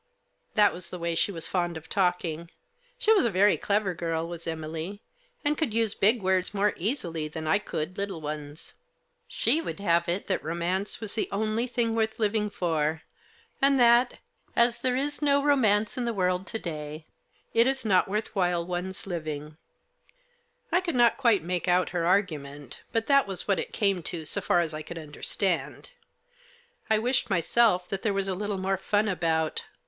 That was the way she was fond of talking. She was a very clever girl, was Emily, and could use big words more easily than I could little ones. She would have it that romance was the only thing worth living for, and that, as there is no romance in the world to day, it is not worth while one's living. I Digitized by FlBANDOLO'S. 6 could not quite make out her argument, but that was what it came to so far as I could understand. I wished myself that there was a little more fun about.